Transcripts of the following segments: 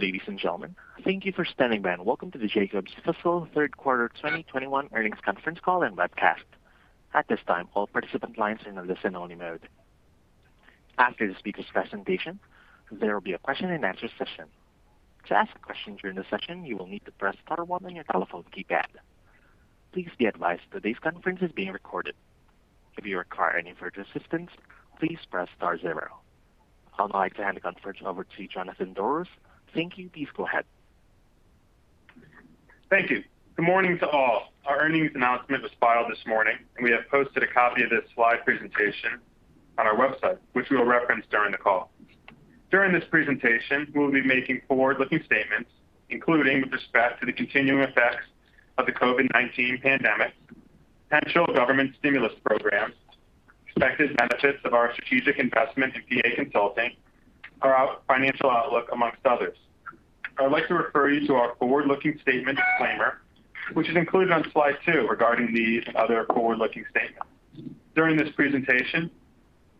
Ladies and gentlemen, thank you for standing by and welcome to the Jacobs Fiscal Third Quarter 2021 Earnings Conference Call and Webcast. I'd like to hand the conference over to Jonathan Doros. Thank you. Please go ahead. Thank you. Good morning to all. Our earnings announcement was filed this morning, and we have posted a copy of this slide presentation on our website, which we will reference during the call. During this presentation, we will be making forward-looking statements, including with respect to the continuing effects of the COVID-19 pandemic, potential government stimulus programs, expected benefits of our strategic investment in PA Consulting, our financial outlook, amongst others. I would like to refer you to our forward-looking statement disclaimer, which is included on slide two regarding these and other forward-looking statements. During this presentation,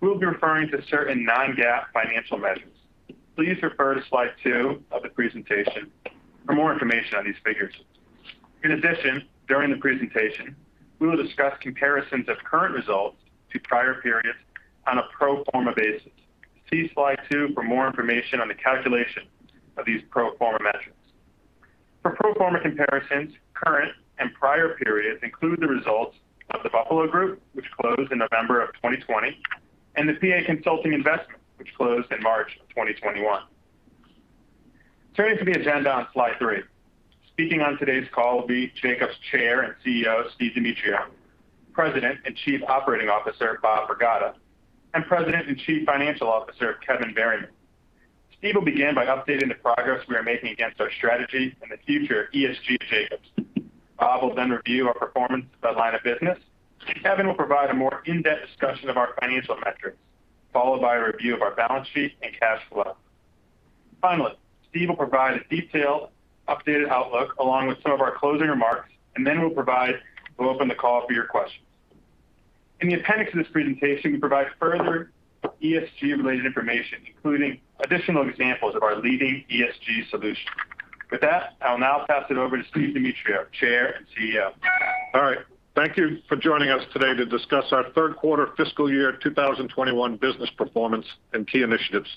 we will be referring to certain non-GAAP financial measures. Please refer to slide two of the presentation for more information on these figures. In addition, during the presentation, we will discuss comparisons of current results to prior periods on a pro forma basis. See slide two for more information on the calculation of these pro forma measures. For pro forma comparisons, current and prior periods include the results of The Buffalo Group, which closed in November of 2020, and the PA Consulting investment, which closed in March of 2021. Turning to the agenda on slide three. Speaking on today's call will be Jacobs Chair and CEO, Steve Demetriou, President and Chief Operating Officer, Bob Pragada, and President and Chief Financial Officer, Kevin Berryman. Steve will begin by updating the progress we are making against our strategy and the future of ESG at Jacobs. Bob will then review our performance by line of business, and Kevin will provide a more in-depth discussion of our financial metrics, followed by a review of our balance sheet and cash flow. Finally, Steve will provide a detailed, updated outlook along with some of our closing remarks, and then we'll open the call for your questions. In the appendix of this presentation, we provide further ESG-related information, including additional examples of our leading ESG solutions. With that, I will now pass it over to Steve Demetriou, Chair and CEO. All right. Thank you for joining us today to discuss our third quarter fiscal year 2021 business performance and key initiatives.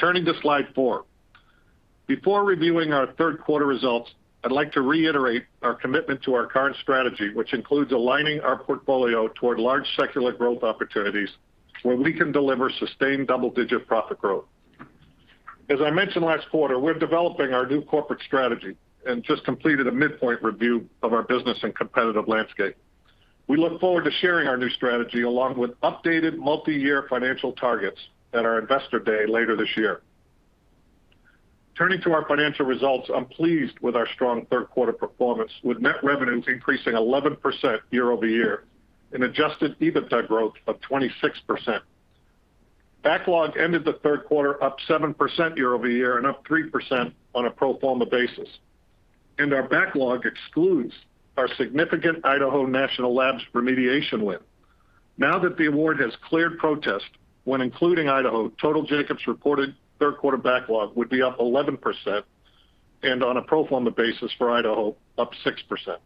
Turning to slide four. Before reviewing our third quarter results, I'd like to reiterate our commitment to our current strategy, which includes aligning our portfolio toward large secular growth opportunities where we can deliver sustained double-digit profit growth. As I mentioned last quarter, we're developing our new corporate strategy and just completed a midpoint review of our business and competitive landscape. We look forward to sharing our new strategy along with updated multi-year financial targets at our Investor Day later this year. Turning to our financial results, I'm pleased with our strong third quarter performance, with net revenues increasing 11% year-over-year and adjusted EBITDA growth of 26%. Backlog ended the third quarter up 7% year-over-year and up 3% on a pro forma basis, and our backlog excludes our significant Idaho National Laboratory remediation win. Now that the award has cleared protests, when including Idaho, total Jacobs reported third quarter backlog would be up 11%, and on a pro forma basis for Idaho, up 6%.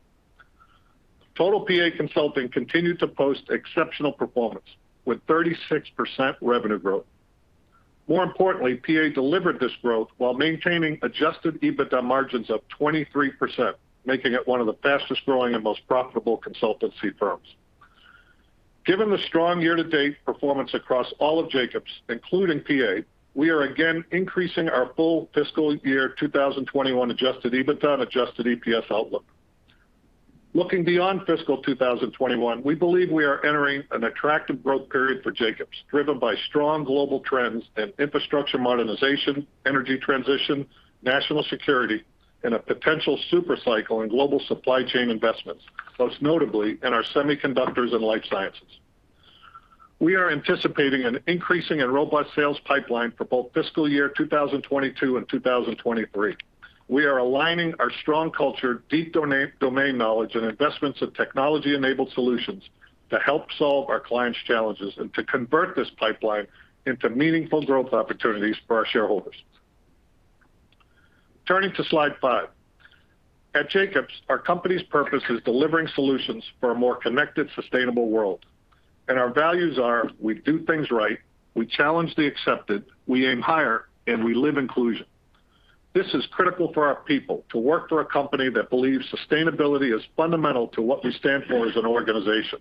Total PA Consulting continued to post exceptional performance with 36% revenue growth. More importantly, PA delivered this growth while maintaining adjusted EBITDA margins of 23%, making it one of the fastest-growing and most profitable consultancy firms. Given the strong year-to-date performance across all of Jacobs, including PA, we are again increasing our full fiscal year 2021 adjusted EBITDA and adjusted EPS outlook. Looking beyond fiscal 2021, we believe we are entering an attractive growth period for Jacobs, driven by strong global trends in infrastructure modernization, energy transition, national security, and a potential super cycle in global supply chain investments, most notably in our semiconductors and life sciences. We are anticipating an increasing and robust sales pipeline for both fiscal year 2022 and 2023. We are aligning our strong culture, deep domain knowledge, and investments in technology-enabled solutions to help solve our clients' challenges and to convert this pipeline into meaningful growth opportunities for our shareholders. Turning to slide five. At Jacobs, our company's purpose is delivering solutions for a more connected, sustainable world, and our values are we do things right, we challenge the accepted, we aim higher, and we live inclusion. This is critical for our people to work for a company that believes sustainability is fundamental to what we stand for as an organization.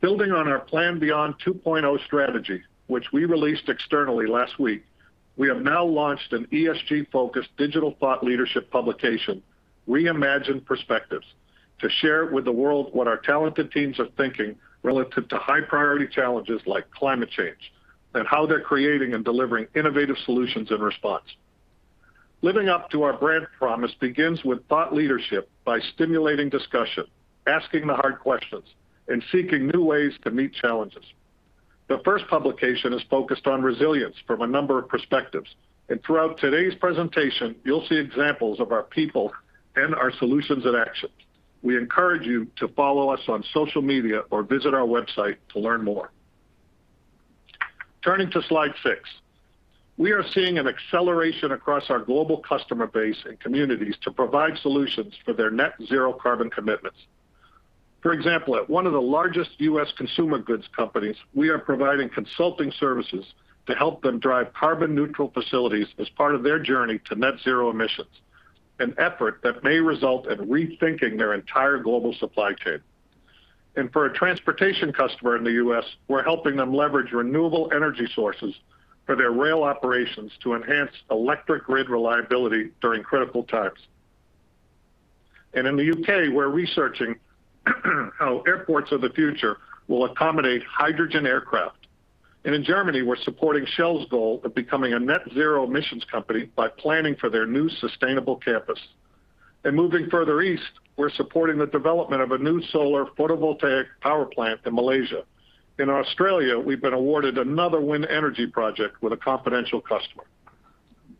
Building on our PlanBeyond 2.0 strategy, which we released externally last week, we have now launched an ESG-focused digital thought leadership publication, Reimagined Perspectives, to share with the world what our talented teams are thinking relative to high-priority challenges like climate change and how they're creating and delivering innovative solutions in response. Living up to our brand promise begins with thought leadership by stimulating discussion, asking the hard questions, and seeking new ways to meet challenges. The first publication is focused on resilience from a number of perspectives, and throughout today's presentation, you'll see examples of our people and our solutions in action. We encourage you to follow us on social media or visit our website to learn more. Turning to slide six. We are seeing an acceleration across our global customer base and communities to provide solutions for their net zero carbon commitments. For example, at one of the largest U.S. consumer goods companies, we are providing consulting services to help them drive carbon neutral facilities as part of their journey to net zero emissions, an effort that may result in rethinking their entire global supply chain. For a transportation customer in the U.S., we're helping them leverage renewable energy sources for their rail operations to enhance electric grid reliability during critical times. In the U.K., we're researching how airports of the future will accommodate hydrogen aircraft. In Germany, we're supporting Shell's goal of becoming a net zero emissions company by planning for their new sustainable campus. Moving further east, we're supporting the development of a new solar photovoltaic power plant in Malaysia. In Australia, we've been awarded another wind energy project with a confidential customer.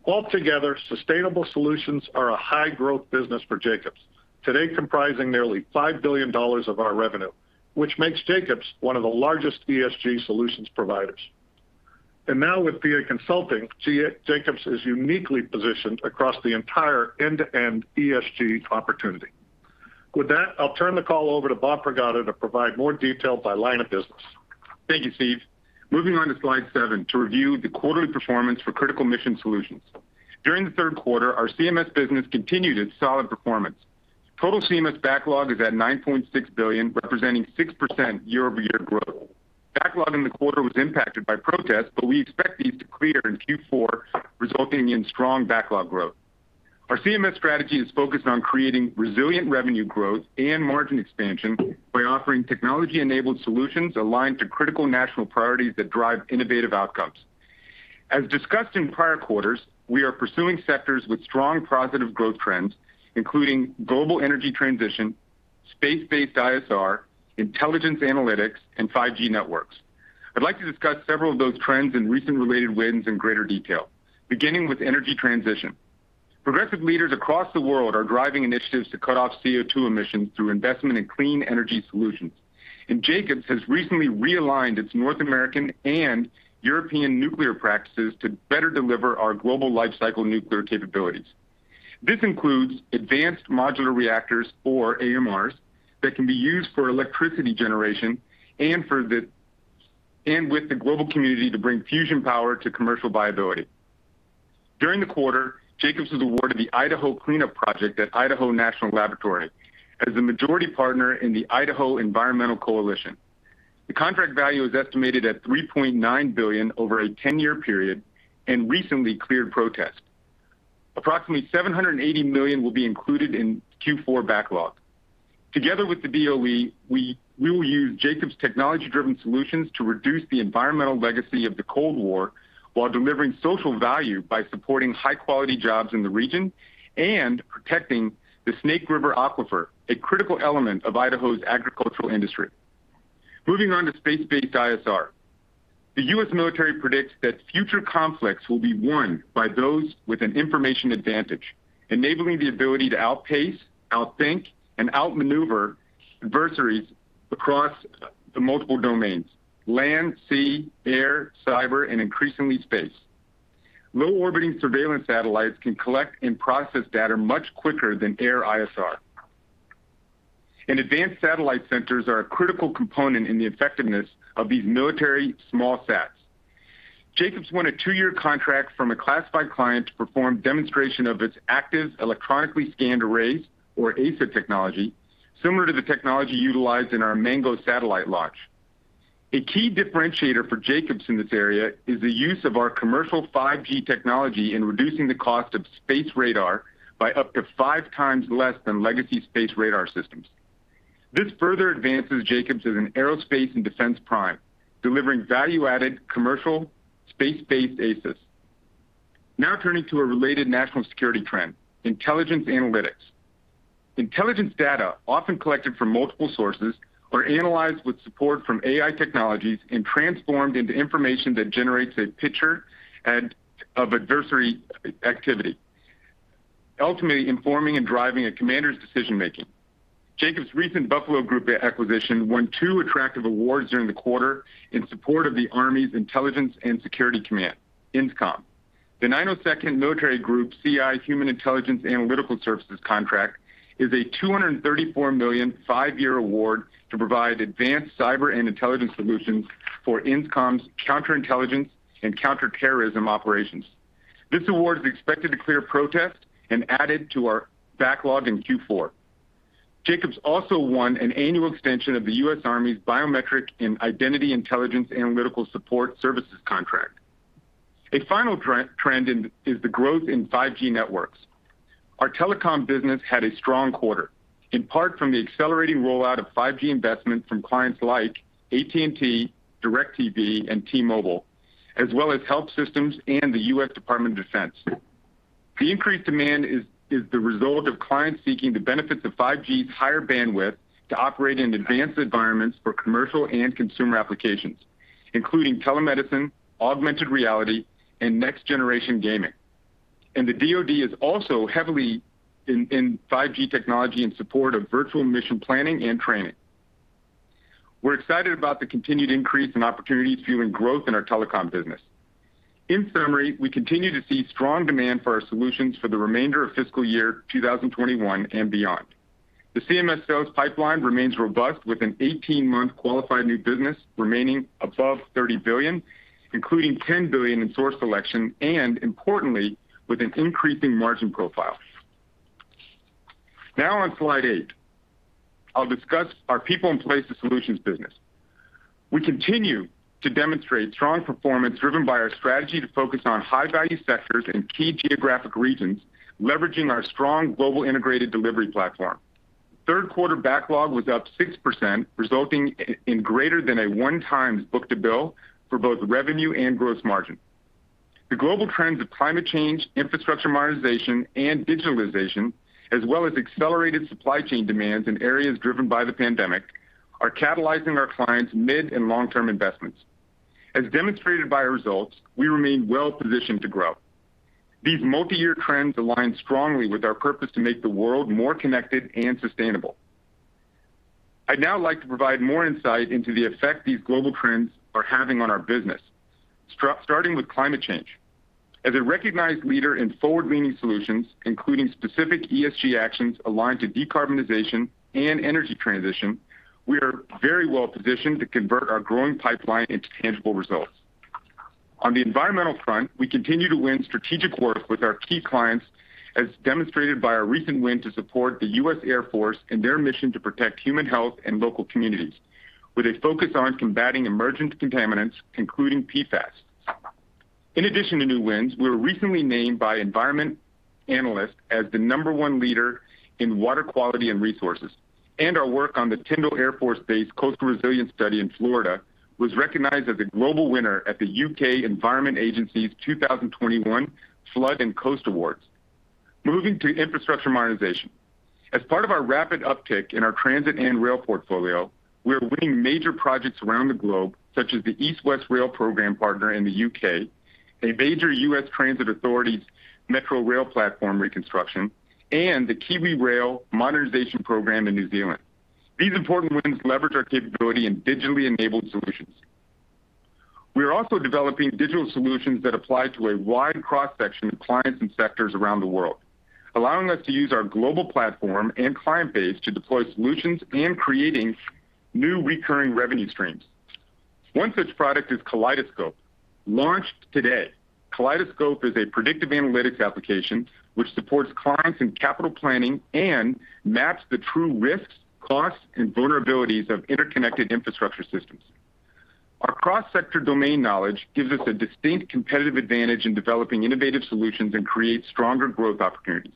Altogether, sustainable solutions are a high growth business for Jacobs, today comprising nearly $5 billion of our revenue, which makes Jacobs one of the largest ESG solutions providers. Now with PA Consulting, Jacobs is uniquely positioned across the entire end-to-end ESG opportunity. With that, I'll turn the call over to Bob Pragada to provide more detail by line of business. Thank you, Steve. Moving on to slide seven to review the quarterly performance for Critical Mission Solutions. During the third quarter, our CMS business continued its solid performance. Total CMS backlog is at $9.6 billion, representing 6% year-over-year growth. Backlog in the quarter was impacted by protests, but we expect these to clear in Q4, resulting in strong backlog growth. Our CMS strategy is focused on creating resilient revenue growth and margin expansion by offering technology-enabled solutions aligned to critical national priorities that drive innovative outcomes. As discussed in prior quarters, we are pursuing sectors with strong positive growth trends, including global energy transition, space-based ISR, intelligence analytics, and 5G networks. I'd like to discuss several of those trends and recent related wins in greater detail. Beginning with energy transition. Progressive leaders across the world are driving initiatives to cut off CO2 emissions through investment in clean energy solutions. Jacobs has recently realigned its North American and European nuclear practices to better deliver our global life cycle nuclear capabilities. This includes advanced modular reactors, or AMRs, that can be used for electricity generation and with the global community to bring fusion power to commercial viability. During the quarter, Jacobs was awarded the Idaho Cleanup Project at Idaho National Laboratory as the majority partner in the Idaho Environmental Coalition. The contract value is estimated at $3.9 billion over a 10-year period and recently cleared protests. Approximately $780 million will be included in Q4 backlog. Together with the DOE, we will use Jacobs' technology-driven solutions to reduce the environmental legacy of the Cold War while delivering social value by supporting high-quality jobs in the region and protecting the Snake River Aquifer, a critical element of Idaho's agricultural industry. Moving on to space-based ISR. The U.S. military predicts that future conflicts will be won by those with an information advantage, enabling the ability to outpace, outthink, and outmaneuver adversaries across the multiple domains: land, sea, air, cyber, and increasingly space. Low-orbiting surveillance satellites can collect and process data much quicker than air ISR. Advanced satellite centers are a critical component in the effectiveness of these military small sats. Jacobs won a two-year contract from a classified client to perform demonstration of its active electronically scanned arrays, or AESA technology, similar to the technology utilized in our Mango satellite launch. A key differentiator for Jacobs in this area is the use of our commercial 5G technology in reducing the cost of space radar by up to five times less than legacy space radar systems. This further advances Jacobs as an aerospace and defense prime, delivering value-added commercial space-based AESA's. Now turning to a related national security trend, intelligence analytics. Intelligence data, often collected from multiple sources, are analyzed with support from AI technologies and transformed into information that generates a picture of adversary activity, ultimately informing and driving a commander's decision-making. Jacobs' recent The Buffalo Group acquisition won two attractive awards during the quarter in support of the U.S. Army Intelligence and Security Command, INSCOM. The 902nd Military Intelligence Group CI Human Intelligence Analytical Services contract is a $234 million, five-year award to provide advanced cyber and intelligence solutions for INSCOM's counterintelligence and counter-terrorism operations. This award is expected to clear protests and added to our backlog in Q4. Jacobs also won an annual extension of the U.S. Army's Biometric and Identity Intelligence Analytical Support Services contract. A final trend is the growth in 5G networks. Our telecom business had a strong quarter, in part from the accelerating rollout of 5G investments from clients like AT&T, DirecTV, and T-Mobile, as well as health systems and the U.S. Department of Defense. The increased demand is the result of clients seeking the benefits of 5G's higher bandwidth to operate in advanced environments for commercial and consumer applications, including telemedicine, augmented reality, and next-generation gaming. The DOD is also heavily in 5G technology in support of virtual mission planning and training. We're excited about the continued increase in opportunities fueling growth in our telecom business. In summary, we continue to see strong demand for our solutions for the remainder of fiscal year 2021 and beyond. The CMS sales pipeline remains robust with an 18-month qualified new business remaining above $30 billion, including $10 billion in source selection, and importantly, with an increasing margin profile. On slide eight, I'll discuss our People & Places Solutions business. We continue to demonstrate strong performance driven by our strategy to focus on high-value sectors and key geographic regions, leveraging our strong global integrated delivery platform. Third quarter backlog was up 6%, resulting in greater than a one-time book-to-bill for both revenue and gross margin. The global trends of climate change, infrastructure modernization, and digitalization, as well as accelerated supply chain demands in areas driven by the pandemic, are catalyzing our clients' mid and long-term investments. As demonstrated by our results, we remain well-positioned to grow. These multi-year trends align strongly with our purpose to make the world more connected and sustainable. I'd now like to provide more insight into the effect these global trends are having on our business, starting with climate change. As a recognized leader in forward-leaning solutions, including specific ESG actions aligned to decarbonization and energy transition, we are very well-positioned to convert our growing pipeline into tangible results. On the environmental front, we continue to win strategic work with our key clients, as demonstrated by our recent win to support the U.S. Air Force in their mission to protect human health and local communities, with a focus on combating emergent contaminants, including PFAS. In addition to new wins, we were recently named by Environment Analyst as the number one leader in water quality and resources, and our work on the Tyndall Air Force Base coastal resilience study in Florida was recognized as a global winner at the U.K. Environment Agency's 2021 Flood & Coast Excellence Awards. Moving to infrastructure modernization. As part of our rapid uptick in our transit and rail portfolio, we are winning major projects around the globe, such as the East West Rail program partner in the U.K., a major U.S. transit authority's metro rail platform reconstruction, and the KiwiRail modernization program in New Zealand. These important wins leverage our capability in digitally enabled solutions. We are also developing digital solutions that apply to a wide cross-section of clients and sectors around the world, allowing us to use our global platform and client base to deploy solutions and creating new recurring revenue streams. One such product is Kaleidoscope. Launched today, Kaleidoscope is a predictive analytics application which supports clients in capital planning and maps the true risks, costs, and vulnerabilities of interconnected infrastructure systems. Our cross-sector domain knowledge gives us a distinct competitive advantage in developing innovative solutions and creates stronger growth opportunities.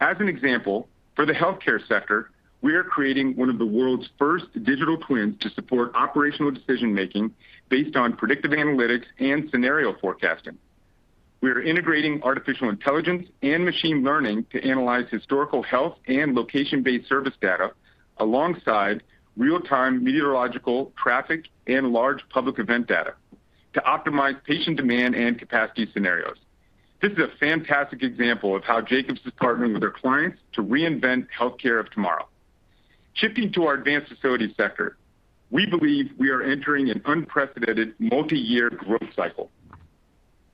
As an example, for the healthcare sector, we are creating one of the world's first digital twins to support operational decision-making based on predictive analytics and scenario forecasting. We are integrating artificial intelligence and machine learning to analyze historical health and location-based service data alongside real-time meteorological, traffic, and large public event data to optimize patient demand and capacity scenarios. This is a fantastic example of how Jacobs is partnering with their clients to reinvent healthcare of tomorrow. Shifting to our Advanced Facilities sector, we believe we are entering an unprecedented multi-year growth cycle.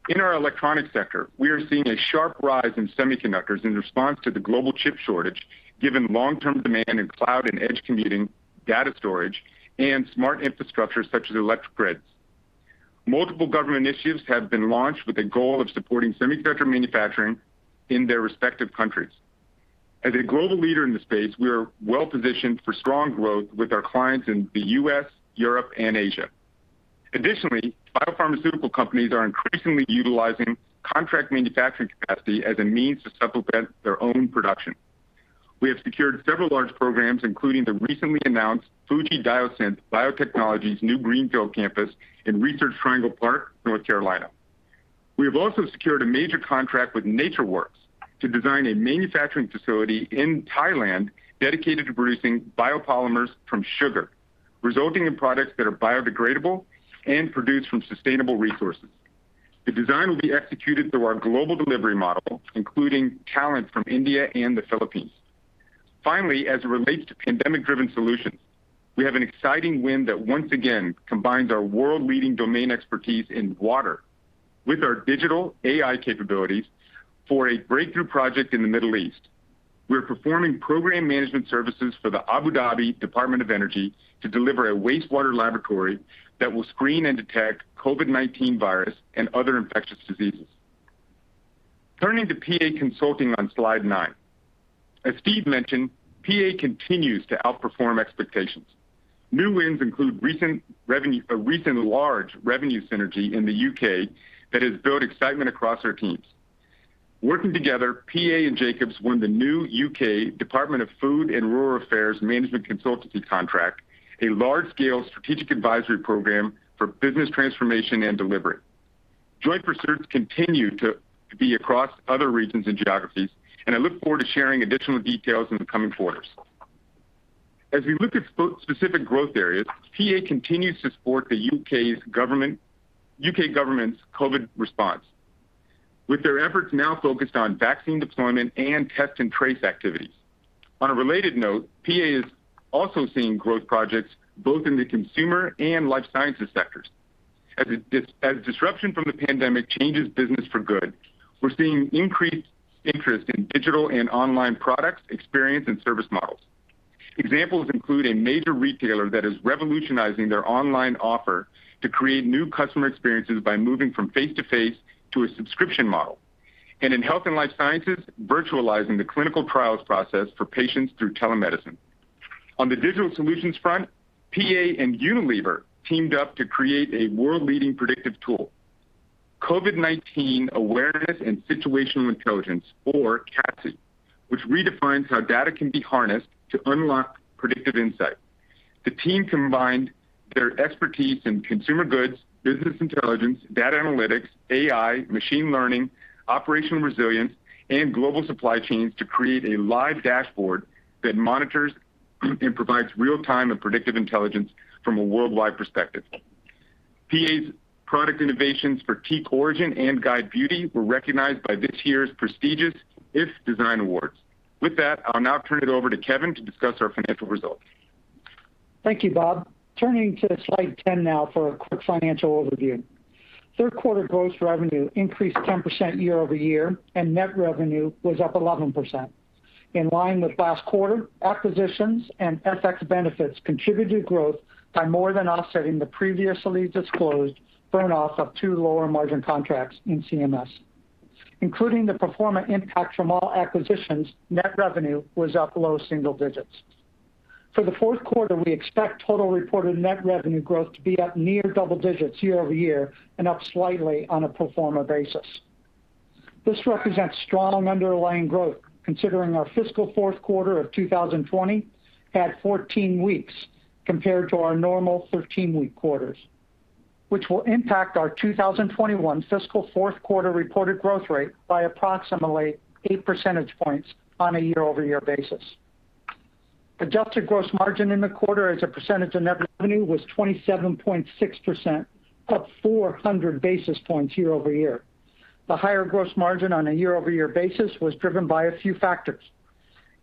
In our electronic sector, we are seeing a sharp rise in semiconductors in response to the global chip shortage, given long-term demand in cloud and edge computing, data storage, and smart infrastructure such as electric grids. Multiple government initiatives have been launched with the goal of supporting semiconductor manufacturing in their respective countries. As a global leader in the space, we are well-positioned for strong growth with our clients in the U.S., Europe, and Asia. Additionally, biopharmaceutical companies are increasingly utilizing contract manufacturing capacity as a means to supplement their own production. We have secured several large programs, including the recently announced FUJIFILM Diosynth Biotechnologies' new greenfield campus in Research Triangle Park, North Carolina. We have also secured a major contract with NatureWorks to design a manufacturing facility in Thailand dedicated to producing biopolymers from sugar, resulting in products that are biodegradable and produced from sustainable resources. The design will be executed through our global delivery model, including talent from India and the Philippines. Finally, as it relates to pandemic-driven solutions, we have an exciting win that once again combines our world-leading domain expertise in water with our digital AI capabilities for a breakthrough project in the Middle East. We're performing program management services for the Abu Dhabi Department of Energy to deliver a wastewater laboratory that will screen and detect COVID-19 virus and other infectious diseases. Turning to PA Consulting on slide nine. As Steve mentioned, PA continues to outperform expectations. New wins include a recent large revenue synergy in the U.K. that has built excitement across our teams. Working together, PA and Jacobs won the new U.K. Department for Environment, Food and Rural Affairs management consultancy contract, a large-scale strategic advisory program for business transformation and delivery. Joint pursuits continue to be across other regions and geographies. I look forward to sharing additional details in the coming quarters. As we look at specific growth areas, PA continues to support the U.K. government's COVID response, with their efforts now focused on vaccine deployment and test and trace activities. On a related note, PA is also seeing growth projects both in the consumer and life sciences sectors. As disruption from the pandemic changes business for good, we're seeing increased interest in digital and online products, experience, and service models. Examples include a major retailer that is revolutionizing their online offer to create new customer experiences by moving from face-to-face to a subscription model, and in health and life sciences, virtualizing the clinical trials process for patients through telemedicine. On the digital solutions front, PA and Unilever teamed up to create a world-leading predictive tool, COVID-19 Awareness and Situational Intelligence, or CASI, which redefines how data can be harnessed to unlock predictive insight. The team combined their expertise in consumer goods, business intelligence, data analytics, AI, machine learning, operational resilience, and global supply chains to create a live dashboard that monitors and provides real-time and predictive intelligence from a worldwide perspective. PA's product innovations for TeakOrigin and Guide Beauty were recognized by this year's prestigious iF Design Awards. With that, I'll now turn it over to Kevin to discuss our financial results. Thank you, Bob. Turning to slide 10 now for a quick financial overview. Third quarter gross revenue increased 10% year-over-year, and net revenue was up 11%. In line with last quarter, acquisitions and FX benefits contributed to growth by more than offsetting the previously disclosed burn-off of two lower-margin contracts in CMS. Including the pro forma impact from all acquisitions, net revenue was up low single digits. For the fourth quarter, we expect total reported net revenue growth to be up near double digits year-over-year and up slightly on a pro forma basis. This represents strong underlying growth, considering our fiscal fourth quarter of 2020 had 14 weeks compared to our normal 13-week quarters, which will impact our 2021 fiscal fourth quarter reported growth rate by approximately 8 percentage points on a year-over-year basis. Adjusted gross margin in the quarter as a percentage of net revenue was 27.6%, up 400 basis points year-over-year. The higher gross margin on a year-over-year basis was driven by a few factors.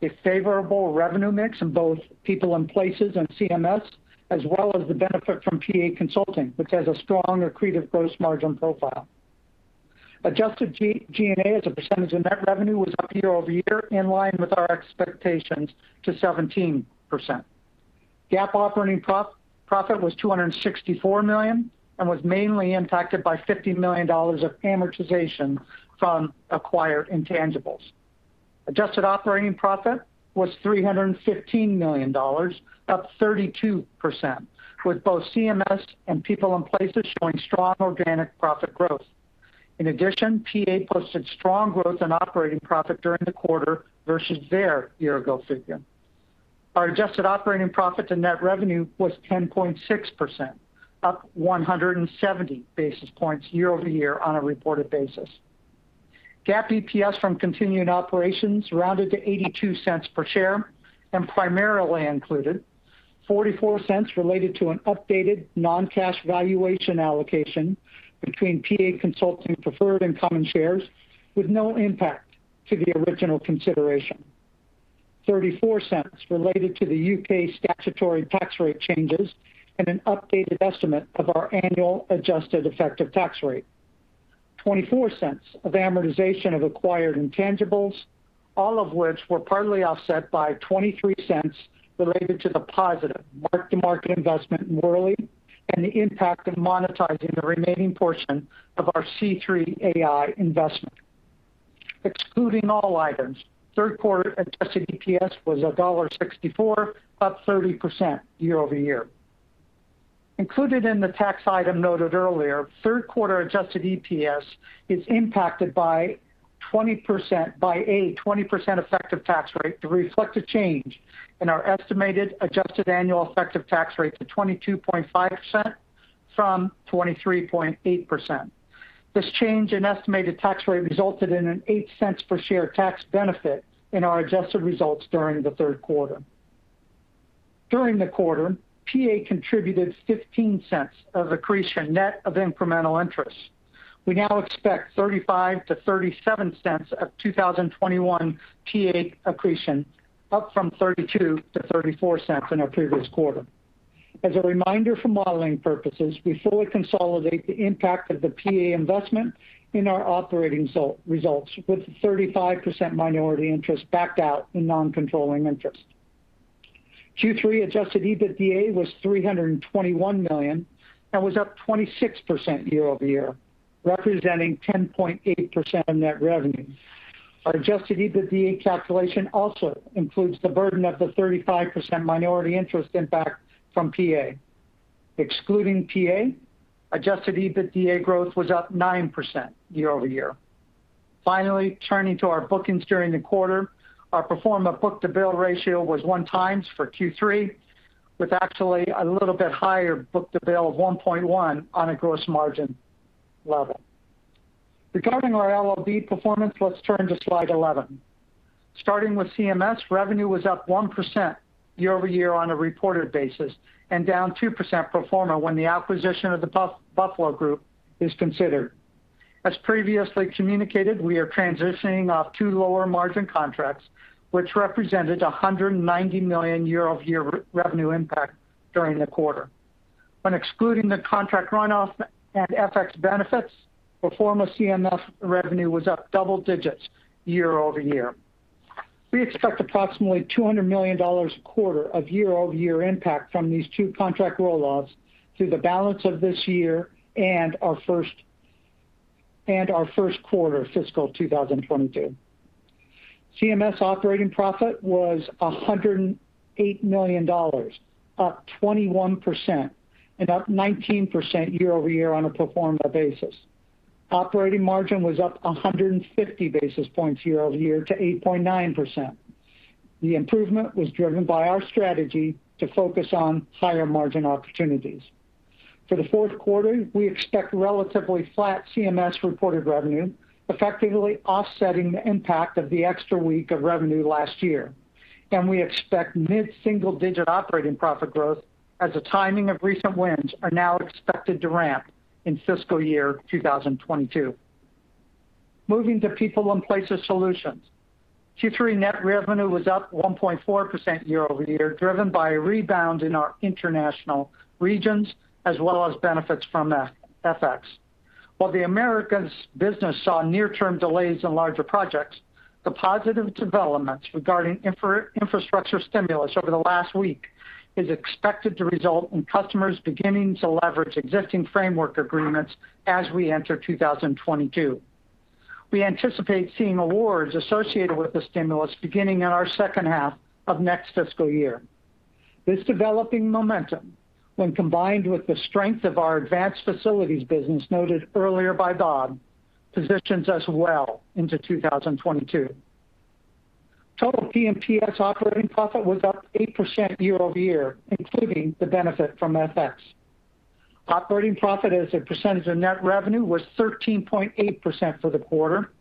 A favorable revenue mix in both People & Places Solutions and CMS, as well as the benefit from PA Consulting, which has a strong accretive gross margin profile. Adjusted G&A as a percentage of net revenue was up year-over-year, in line with our expectations, to 17%. GAAP operating profit was $264 million and was mainly impacted by $50 million of amortization from acquired intangibles. Adjusted operating profit was $315 million, up 32%, with both CMS and People & Places Solutions showing strong organic profit growth. In addition, PA posted strong growth in operating profit during the quarter versus their year-ago figure. Our adjusted operating profit to net revenue was 10.6%, up 170 basis points year-over-year on a reported basis. GAAP EPS from continuing operations rounded to $0.82 per share and primarily included $0.44 related to an updated non-cash valuation allocation between PA Consulting preferred and common shares, with no impact to the original consideration. $0.34 related to the U.K. statutory tax rate changes and an updated estimate of our annual adjusted effective tax rate. $0.24 of amortization of acquired intangibles, all of which were partly offset by $0.23 related to the positive mark-to-market investment in Worley and the impact of monetizing the remaining portion of our C3.ai investment. Excluding all items, third quarter adjusted EPS was $1.64, up 30% year-over-year. Included in the tax item noted earlier, third quarter adjusted EPS is impacted by a 20% effective tax rate to reflect a change in our estimated adjusted annual effective tax rate to 22.5% from 23.8%. This change in estimated tax rate resulted in an $0.08 per share tax benefit in our adjusted results during the third quarter. During the quarter, PA contributed $0.15 of accretion, net of incremental interest. We now expect $0.35-$0.37 of 2021 PA accretion, up from $0.32-$0.34 in our previous quarter. As a reminder for modeling purposes, we fully consolidate the impact of the PA investment in our operating results, with 35% minority interest backed out in non-controlling interest. Q3 adjusted EBITDA was $321 million and was up 26% year-over-year, representing 10.8% of net revenue. Our adjusted EBITDA calculation also includes the burden of the 35% minority interest impact from PA. Excluding PA, adjusted EBITDA growth was up 9% year-over-year. Finally, turning to our bookings during the quarter, our pro forma book-to-bill ratio was one times for Q3, with actually a little bit higher book-to-bill of 1.1 on a gross margin level. Regarding our LOB performance, let's turn to slide 11. Starting with CMS, revenue was up 1% year-over-year on a reported basis, and down 2% pro forma when the acquisition of The Buffalo Group is considered. As previously communicated, we are transitioning off two lower margin contracts, which represented $190 million year-over-year revenue impact during the quarter. When excluding the contract runoff and FX benefits, pro forma CMS revenue was up double digits year-over-year. We expect approximately $200 million a quarter of year-over-year impact from these two contract roll-offs through the balance of this year and our first quarter fiscal 2022. CMS operating profit was $108 million, up 21%, up 19% year-over-year on a pro forma basis. Operating margin was up 150 basis points year-over-year to 8.9%. The improvement was driven by our strategy to focus on higher margin opportunities. For the fourth quarter, we expect relatively flat CMS reported revenue, effectively offsetting the impact of the extra week of revenue last year. We expect mid-single digit operating profit growth as the timing of recent wins are now expected to ramp in fiscal year 2022. Moving to People and Places Solutions. Q3 net revenue was up 1.4% year-over-year, driven by a rebound in our international regions as well as benefits from FX. While the Americas business saw near-term delays in larger projects, the positive developments regarding infrastructure stimulus over the last week is expected to result in customers beginning to leverage existing framework agreements as we enter 2022. We anticipate seeing awards associated with the stimulus beginning in our second half of next fiscal year. This developing momentum, when combined with the strength of our Advanced Facilities business noted earlier by Bob, positions us well into 2022. Total P&PS operating profit was up 8% year-over-year, including the benefit from FX. Operating profit as a percentage of net revenue was 13.8% for the quarter,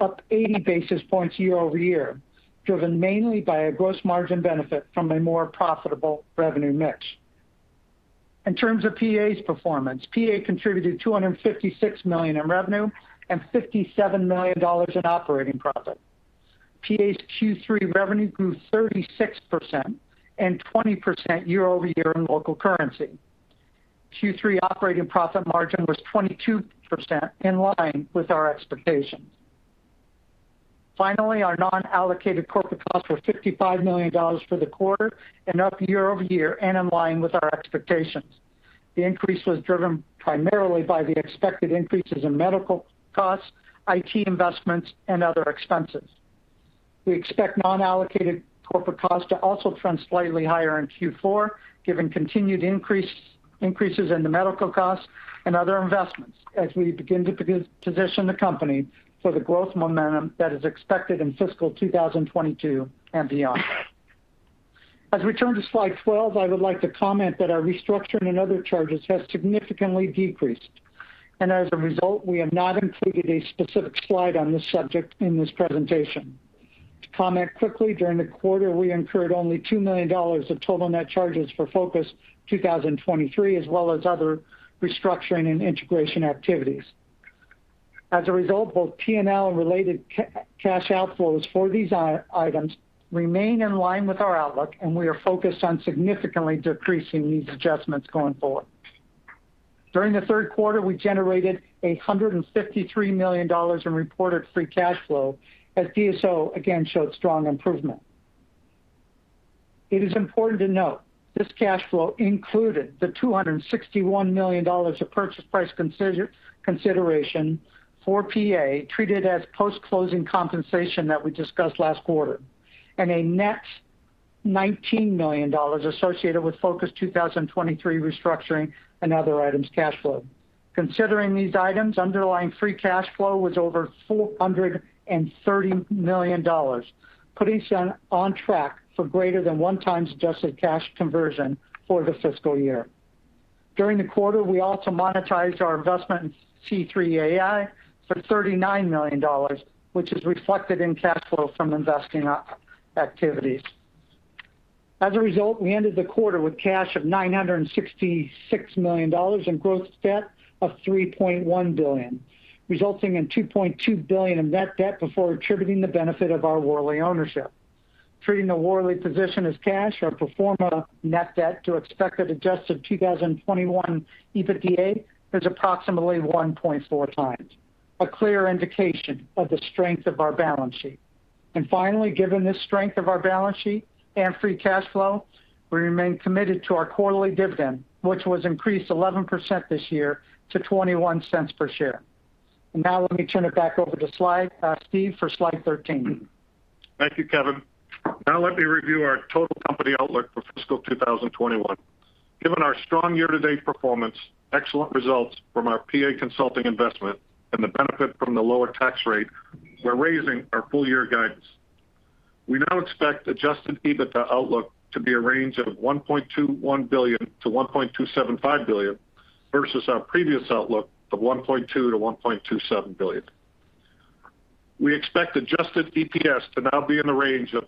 up 80 basis points year-over-year, driven mainly by a gross margin benefit from a more profitable revenue mix. In terms of PA's performance, PA contributed $256 million in revenue and $57 million in operating profit. PA's Q3 revenue grew 36% and 20% year-over-year in local currency. Q3 operating profit margin was 22%, in line with our expectations. Finally, our non-allocated corporate costs were $55 million for the quarter and up year-over-year and in line with our expectations. The increase was driven primarily by the expected increases in medical costs, IT investments, and other expenses. We expect non-allocated corporate costs to also trend slightly higher in Q4 given continued increases in the medical costs and other investments as we begin to position the company for the growth momentum that is expected in fiscal 2022 and beyond. As we turn to slide 12, I would like to comment that our restructuring and other charges has significantly decreased. As a result, we have not included a specific slide on this subject in this presentation. To comment quickly, during the quarter, we incurred only $2 million of total net charges for Focus 2023 as well as other restructuring and integration activities. As a result, both P&L and related cash outflows for these items remain in line with our outlook. We are focused on significantly decreasing these adjustments going forward. During the third quarter, we generated $153 million in reported free cash flow as DSO again showed strong improvement. It is important to note this cash flow included the $261 million of purchase price consideration for PA treated as post-closing compensation that we discussed last quarter, and a net $19 million associated with Focus 2023 restructuring and other items cash flow. Considering these items, underlying free cash flow was over $430 million, putting us on track for greater than one times adjusted cash conversion for the fiscal year. During the quarter, we also monetized our investment in C3.ai for $39 million, which is reflected in cash flow from investing activities. As a result, we ended the quarter with cash of $966 million and gross debt of $3.1 billion, resulting in $2.2 billion in net debt before attributing the benefit of our Worley ownership. Treating the Worley position as cash, our pro forma net debt to expected adjusted 2021 EBITDA is approximately 1.4x, a clear indication of the strength of our balance sheet. Finally, given the strength of our balance sheet and free cash flow, we remain committed to our quarterly dividend, which was increased 11% this year to $0.21 per share. Now let me turn it back over to Steve for slide 13. Thank you, Kevin. Let me review our total company outlook for fiscal 2021. Given our strong year-to-date performance, excellent results from our PA Consulting investment, and the benefit from the lower tax rate, we're raising our full year guidance. We now expect adjusted EBITDA outlook to be a range of $1.21 billion-$1.275 billion versus our previous outlook of $1.2 billion-$1.27 billion. We expect adjusted EPS to now be in the range of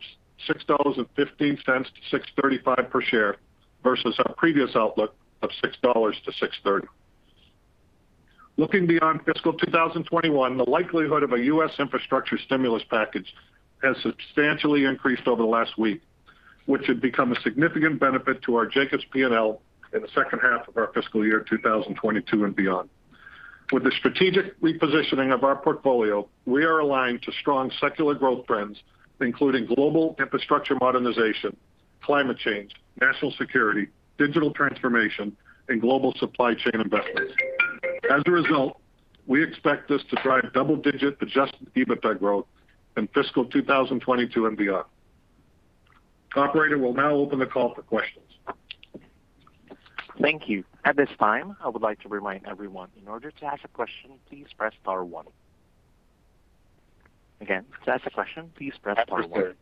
$6.15-$6.35 per share versus our previous outlook of $6-$6.30. Looking beyond fiscal 2021, the likelihood of a U.S. infrastructure stimulus package has substantially increased over the last week, which would become a significant benefit to our Jacobs P&L in the second half of our fiscal year 2022 and beyond. With the strategic repositioning of our portfolio, we are aligned to strong secular growth trends, including global infrastructure modernization, climate change, national security, digital transformation, and global supply chain investments. As a result, we expect this to drive double-digit adjusted EBITDA growth in fiscal 2022 and beyond. Operator, we'll now open the call for questions. Thank you. At this time, I would like to remind everyone, in order to ask a question, please press star one. Again, to ask a question, please press star one.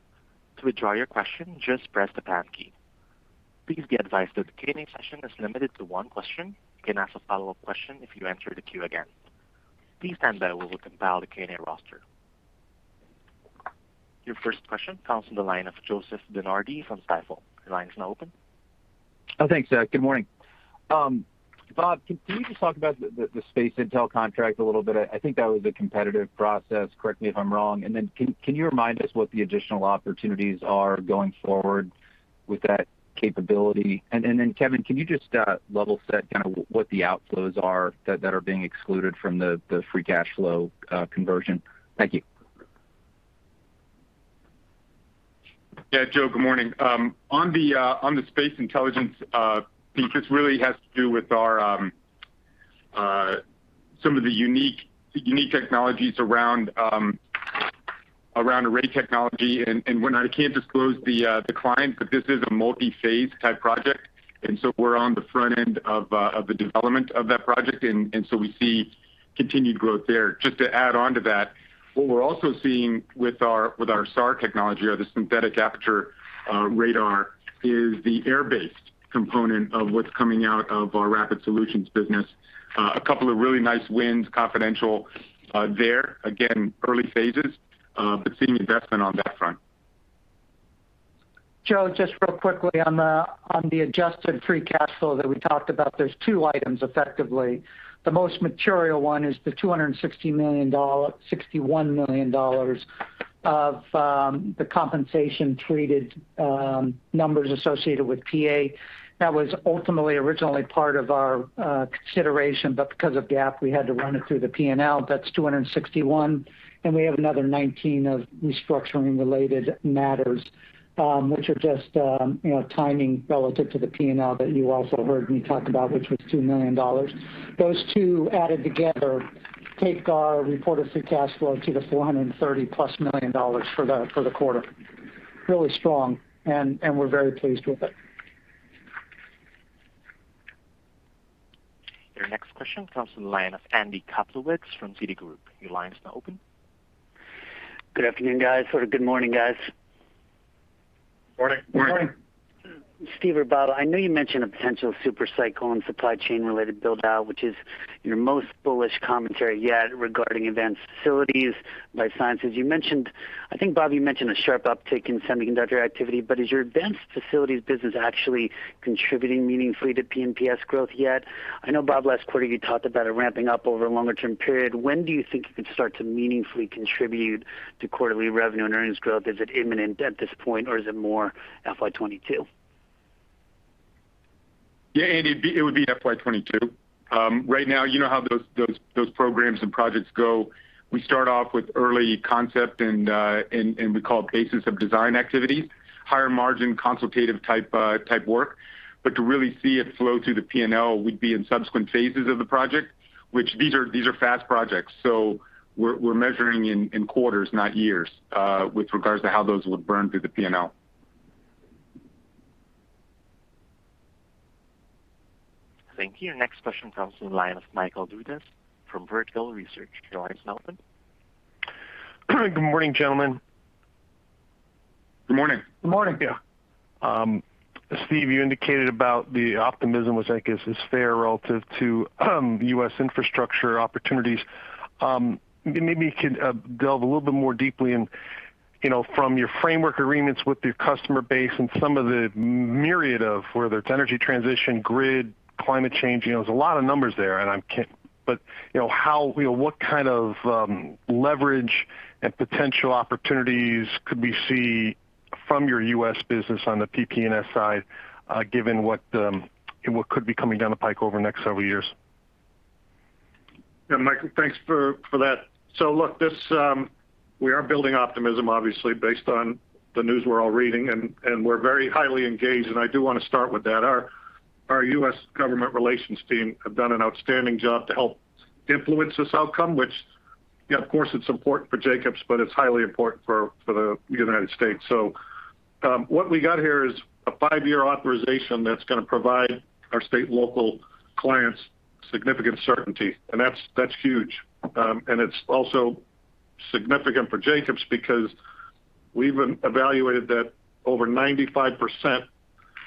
To withdraw your question, just press the pound key. Please be advised that the Q&A session is limited to one question. You can ask a follow-up question if you enter the queue again. Please stand by while we compile the Q&A roster. Your first question comes from the line of Joseph DeNardi from Stifel. Your line is now open. Thanks. Good morning. Bob, can you just talk about the space intel contract a little bit? I think that was a competitive process. Correct me if I'm wrong. Then can you remind us what the additional opportunities are going forward with that capability? Then Kevin, can you just level set kind of what the outflows are that are being excluded from the free cash flow conversion? Thank you. Joseph, good morning. On the space intelligence piece, this really has to do with some of the unique technologies around array technology. When I can't disclose the client, but this is a multi-phase type project, and so we're on the front end of the development of that project. So we see continued growth there. Just to add onto that, what we're also seeing with our SAR technology or the synthetic aperture radar is the air-based component of what's coming out of our Rapid Solutions business. A couple of really nice wins, confidential there. Again, early phases, but seeing investment on that front. Joseph, just real quickly on the adjusted free cash flow that we talked about, there's two items effectively. The most material one is the $261 million of the compensation-treated numbers associated with PA. That was ultimately originally part of our consideration, but because of GAAP, we had to run it through the P&L. That's $261 million, and we have another $19 million of restructuring-related matters, which are just timing relative to the P&L that you also heard me talk about, which was $2 million. Those two added together take our reported free cash flow to the $430 million+ for the quarter. Really strong. We're very pleased with it. Your next question comes from the line of Andy Kaplowitz from Citigroup. Good afternoon, guys, or good morning, guys. Morning. Morning. Steve or Bob, I know you mentioned a potential super cycle and supply chain-related build-out, which is your most bullish commentary yet regarding Advanced Facilities life sciences. I think, Bob, you mentioned a sharp uptick in semiconductor activity, is your Advanced Facilities business actually contributing meaningfully to P&PS growth yet? I know, Bob, last quarter you talked about it ramping up over a longer-term period. When do you think you could start to meaningfully contribute to quarterly revenue and earnings growth? Is it imminent at this point or is it more FY 2022? Yeah, Andy, it would be FY 2022. Right now, you know how those programs and projects go. We start off with early concept and we call phases of design activities, higher margin consultative type work. To really see it flow through the P&L would be in subsequent phases of the project, which these are fast projects. We're measuring in quarters, not years, with regards to how those would burn through the P&L. Thank you. Next question comes from the line of Michael Dudas from Vertical Research. Your line is now open. Good morning, gentlemen. Good morning. Good morning. Yeah. Steve, you indicated about the optimism was, I guess, is fair relative to U.S. infrastructure opportunities. Maybe you can delve a little bit more deeply in from your framework agreements with your customer base and some of the myriad of whether it's energy transition, grid, climate change. There's a lot of numbers there. What kind of leverage and potential opportunities could we see from your U.S. business on the P&PS side given what could be coming down the pike over the next several years? Yeah, Michael, thanks for that. Look, we are building optimism, obviously, based on the news we're all reading, and we're very highly engaged, and I do want to start with that. Our U.S. government relations team have done an outstanding job to help influence this outcome, which, yeah, of course it's important for Jacobs, but it's highly important for the United States. What we got here is a five-year authorization that's going to provide our state local clients significant certainty, and that's huge. It's also significant for Jacobs because we've evaluated that over 95%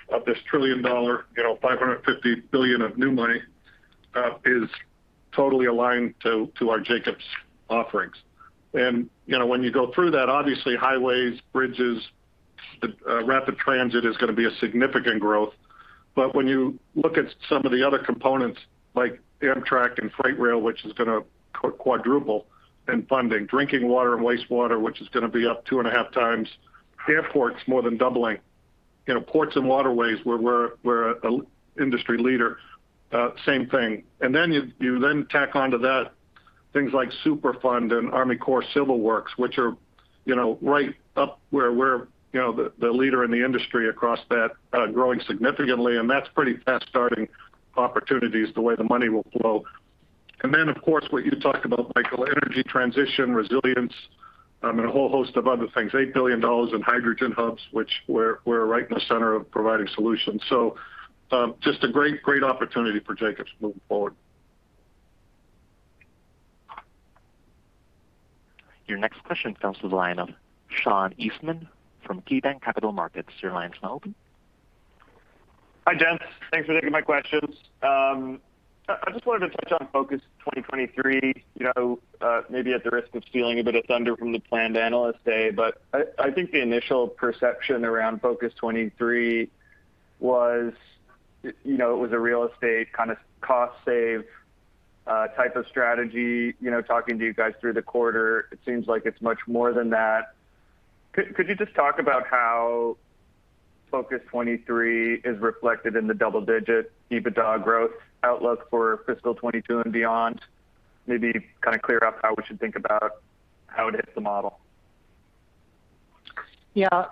of this $1 trillion, $550 billion of new money, is totally aligned to our Jacobs offerings. When you go through that, obviously highways, bridges, rapid transit is going to be a significant growth. When you look at some of the other components like Amtrak and freight rail, which is going to quadruple in funding. Drinking water and wastewater, which is going to be up 2.5x. Airports, more than doubling. Ports and waterways, where we're an industry leader, same thing. You then tack onto that things like Superfund and Army Corps civil works, which are right up where we're the leader in the industry across that, growing significantly, and that's pretty fast-starting opportunities the way the money will flow. Of course, what you talked about, Michael, energy transition, resilience, and a whole host of other things. $8 billion in hydrogen hubs, which we're right in the center of providing solutions. Just a great opportunity for Jacobs moving forward. Your next question comes to the line of Sean Eastman from KeyBanc Capital Markets. Your line's now open. Hi, gents. Thanks for taking my questions. I just wanted to touch on Focus 2023, maybe at the risk of stealing a bit of thunder from the planned Investor Day. I think the initial perception around Focus 2023 was it was a real estate kind of cost save type of strategy. Talking to you guys through the quarter, it seems like it's much more than that. Could you just talk about how Focus 2023 is reflected in the double-digit EBITDA growth outlook for fiscal 2022 and beyond? Maybe kind of clear up how we should think about how it hits the model. Yeah.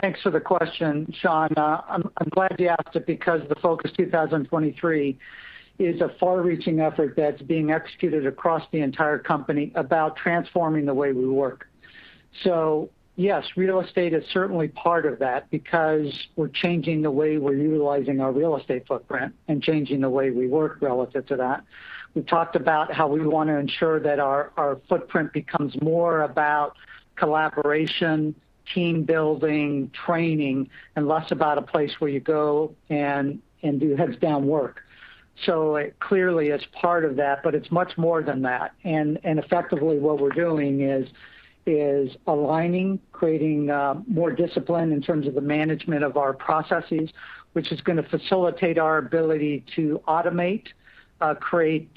Thanks for the question, Sean. I'm glad you asked it because the Focus 2023 is a far-reaching effort that's being executed across the entire company about transforming the way we work. Yes, real estate is certainly part of that because we're changing the way we're utilizing our real estate footprint and changing the way we work relative to that. We talked about how we want to ensure that our footprint becomes more about collaboration, team building, training, and less about a place where you go and do heads down work. It clearly is part of that, but it's much more than that. Effectively what we're doing is aligning, creating more discipline in terms of the management of our processes, which is going to facilitate our ability to automate, create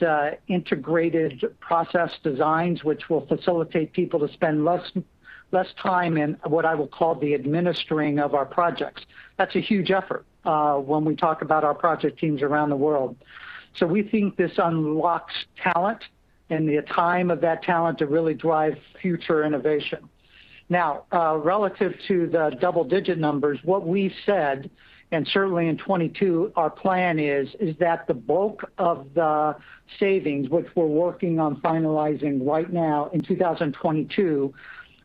integrated process designs, which will facilitate people to spend less time in what I will call the administering of our projects. That's a huge effort when we talk about our project teams around the world. We think this unlocks talent and the time of that talent to really drive future innovation. Relative to the double-digit numbers, what we've said, and certainly in 2022, our plan is that the bulk of the savings, which we're working on finalizing right now in 2022,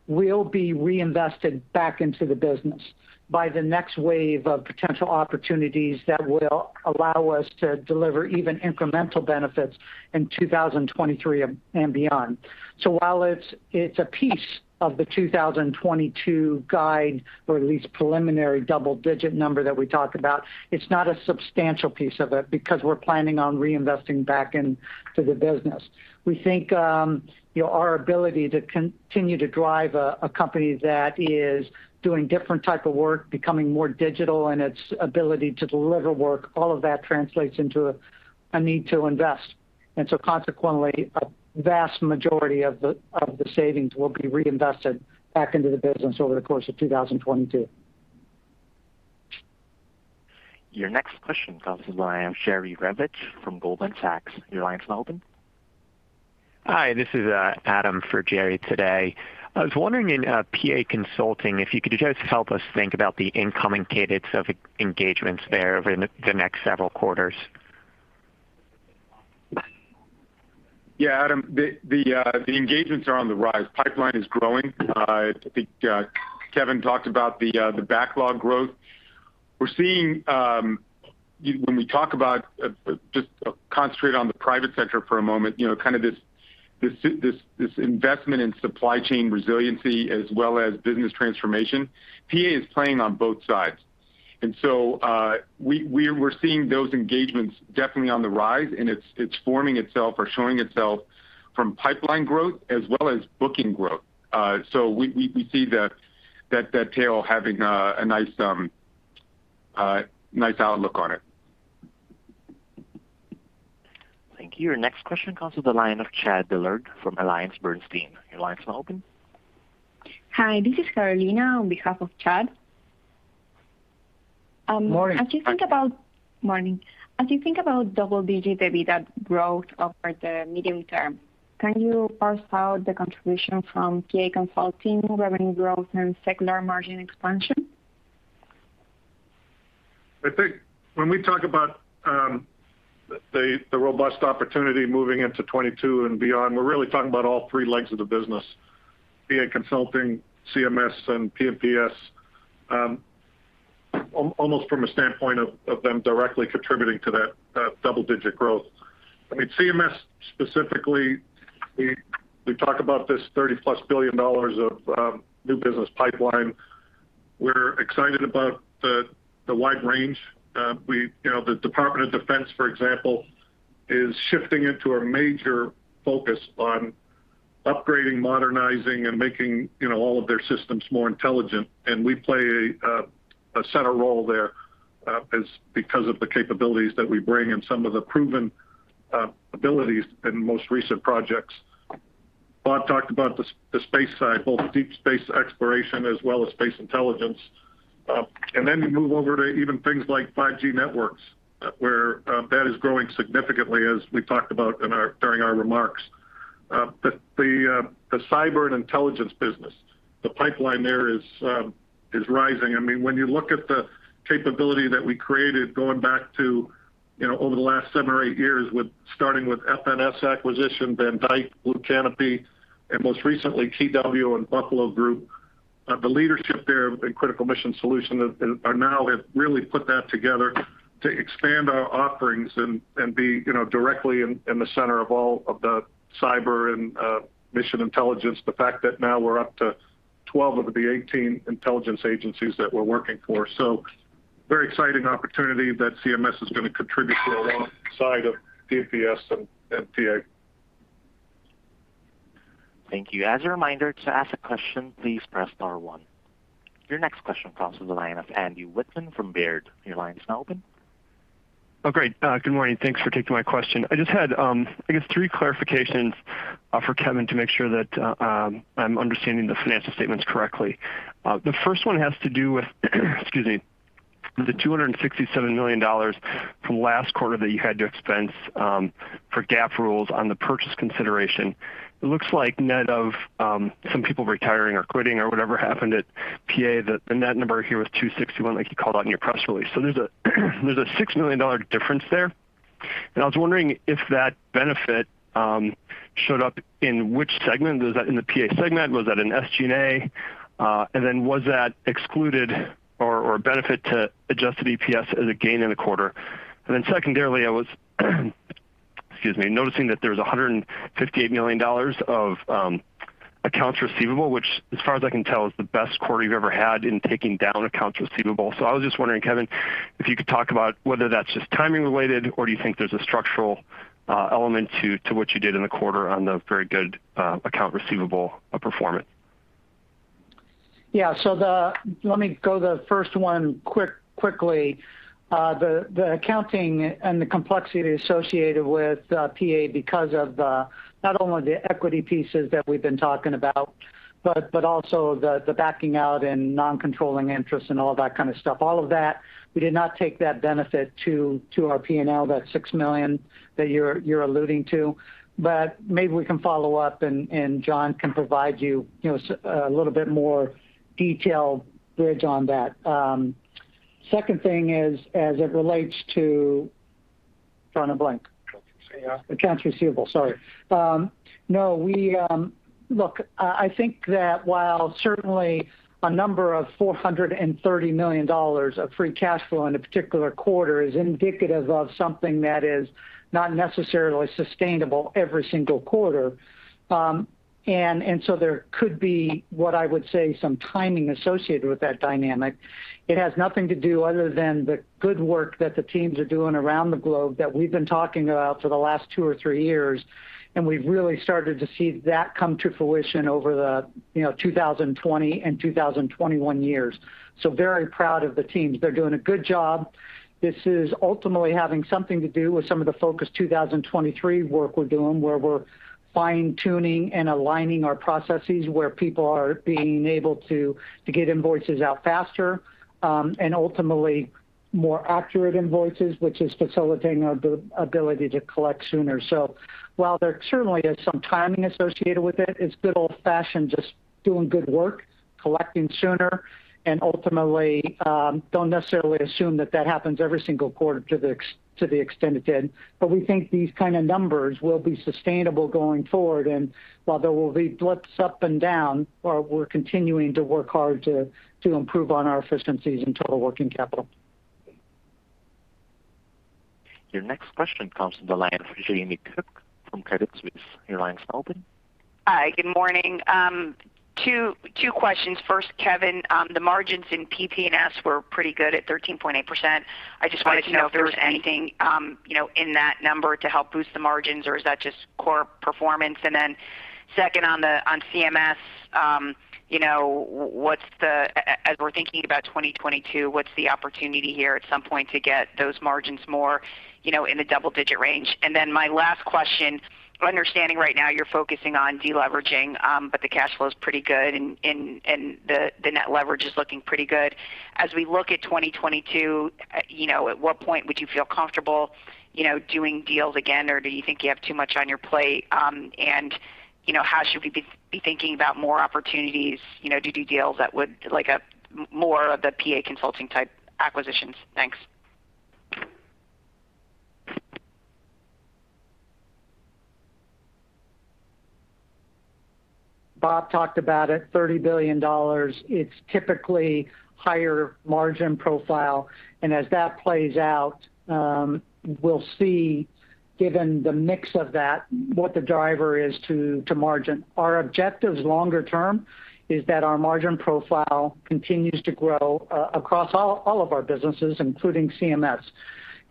will be reinvested back into the business by the next wave of potential opportunities that will allow us to deliver even incremental benefits in 2023 and beyond. While it's a piece of the 2022 guide, or at least preliminary double-digit number that we talked about, it's not a substantial piece of it because we're planning on reinvesting back into the business. We think our ability to continue to drive a company that is doing different type of work, becoming more digital in its ability to deliver work, all of that translates into a need to invest. Consequently, a vast majority of the savings will be reinvested back into the business over the course of 2022. Your next question comes to the line of Jerry Revich from Goldman Sachs. Hi, this is Adam for Jerry today. I was wondering in PA Consulting, if you could just help us think about the incoming cadence of engagements there over the next several quarters. Adam, the engagements are on the rise. Pipeline is growing. I think Kevin talked about the backlog growth. When we talk about just concentrate on the private sector for a moment, kind of this investment in supply chain resiliency as well as business transformation, PA is playing on both sides. We're seeing those engagements definitely on the rise, and it's forming itself or showing itself from pipeline growth as well as booking growth. We see that tail having a nice outlook on it. Thank you. Your next question comes to the line of Chad Dillard from AllianceBernstein. Your line's now open. Hi, this is Carolina on behalf of Chad. Morning. Morning. As you think about double-digit EBITDA growth over the medium term, can you parse out the contribution from PA Consulting revenue growth and secular margin expansion? I think when we talk about the robust opportunity moving into 2022 and beyond, we're really talking about all three legs of the business, be it consulting, CMS, and P&PS, almost from a standpoint of them directly contributing to that double-digit growth. CMS specifically, we talk about this $30 billion+ of new business pipeline. We're excited about the wide range. The Department of Defense, for example, is shifting into a major focus on upgrading, modernizing, and making all of their systems more intelligent. We play a center role there because of the capabilities that we bring and some of the proven abilities in most recent projects. Bob talked about the space side, both deep space exploration as well as space intelligence. You move over to even things like 5G networks, where that is growing significantly as we talked about during our remarks. The cyber and intelligence business, the pipeline there is rising. When you look at the capability that we created going back to over the last seven or eight years, starting with FNS acquisition, Van Dyke, Blue Canopy, and most recently KeyW and The Buffalo Group, the leadership there in Critical Mission Solutions now have really put that together to expand our offerings and be directly in the center of all of the cyber and mission intelligence. The fact that now we're up to 12 of the 18 intelligence agencies that we're working for. Very exciting opportunity that CMS is going to contribute to along with side of P&PS and PA. Thank you. As a reminder, to ask a question, please press star one. Your next question comes from the line of Andy Wittmann from Baird. Your line is now open. Oh, great. Good morning. Thanks for taking my question. I just had, I guess, three clarifications for Kevin to make sure that I'm understanding the financial statements correctly. The first one has to do with excuse me, the $267 million from last quarter that you had to expense for GAAP rules on the purchase consideration. It looks like net of some people retiring or quitting or whatever happened at PA, the net number here was $261 million, like you called out in your press release. There's a $6 million difference there. I was wondering if that benefit showed up in which segment? Was that in the PA segment? Was that in SG&A? Then was that excluded or a benefit to adjusted EPS as a gain in the quarter? Secondarily, I was noticing that there's $158 million of accounts receivable, which as far as I can tell, is the best quarter you've ever had in taking down accounts receivable. I was just wondering, Kevin, if you could talk about whether that's just timing related, or do you think there's a structural element to what you did in the quarter on the very good accounts receivable performance? Yeah. Let me go the first one quickly. The accounting and the complexity associated with PA because of not only the equity pieces that we've been talking about, but also the backing out and non-controlling interest and all that kind of stuff. All of that, we did not take that benefit to our P&L, that $6 million that you're alluding to. Maybe we can follow up and Jon can provide you a little bit more detailed bridge on that. Second thing is, drawing a blank. Accounts receivable. Accounts receivable, sorry. Look, I think that while certainly a number of $430 million of free cash flow in a particular quarter is indicative of something that is not necessarily sustainable every single quarter. There could be what I would say some timing associated with that dynamic. It has nothing to do other than the good work that the teams are doing around the globe that we've been talking about for the last two or three years, and we've really started to see that come to fruition over the 2020 and 2021 years. Very proud of the teams. They're doing a good job. This is ultimately having something to do with some of the Focus 2023 work we're doing, where we're fine-tuning and aligning our processes, where people are being able to get invoices out faster, and ultimately more accurate invoices, which is facilitating our ability to collect sooner. While there certainly is some timing associated with it's good old-fashioned just doing good work, collecting sooner, and ultimately, don't necessarily assume that that happens every single quarter to the extent it did. We think these kind of numbers will be sustainable going forward. While there will be blips up and down, we're continuing to work hard to improve on our efficiencies and total working capital. Your next question comes from the line of Jamie Cook from Credit Suisse. Hi, good morning. Two questions. First, Kevin, the margins in P&PS were pretty good at 13.8%. I just wanted to know if there was anything in that number to help boost the margins, or is that just core performance? Second, on CMS, as we're thinking about 2022, what's the opportunity here at some point to get those margins more in the double-digit range? My last question, understanding right now you're focusing on de-leveraging, but the cash flow is pretty good and the net leverage is looking pretty good. As we look at 2022, at what point would you feel comfortable doing deals again, or do you think you have too much on your plate? How should we be thinking about more opportunities to do deals like more of the PA Consulting type acquisitions? Thanks. Bob talked about it, $30 billion. As that plays out, we'll see, given the mix of that, what the driver is to margin. Our objectives longer term is that our margin profile continues to grow across all of our businesses, including CMS.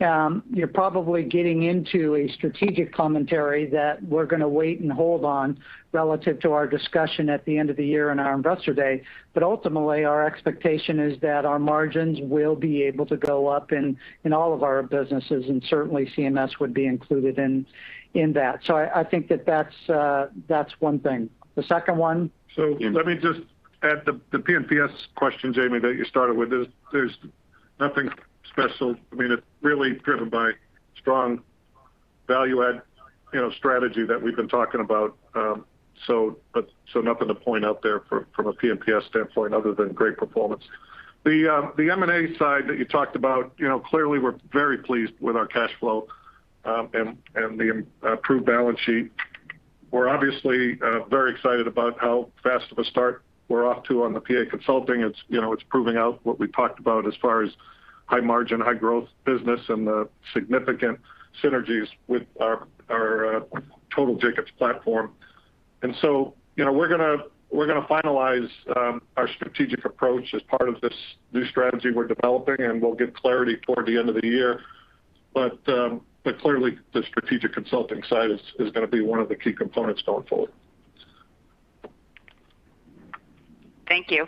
You're probably getting into a strategic commentary that we're going to wait and hold on relative to our discussion at the end of the year in our Investor Day. Ultimately, our expectation is that our margins will be able to go up in all of our businesses, and certainly CMS would be included in that. I think that's one thing. Let me just add the P&PS question, Jamie, that you started with. There's nothing special. It's really driven by strong value add strategy that we've been talking about. Nothing to point out there from a P&PS standpoint other than great performance. The M&A side that you talked about, clearly we're very pleased with our cash flow, and the improved balance sheet. We're obviously very excited about how fast of a start we're off to on the PA Consulting. It's proving out what we talked about as far as high margin, high growth business, and the significant synergies with our total Jacobs platform. We're going to finalize our strategic approach as part of this new strategy we're developing, and we'll give clarity toward the end of the year. Clearly, the strategic consulting side is going to be one of the key components going forward. Thank you.